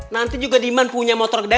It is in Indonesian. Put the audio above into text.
nanti juga diman punya motor gede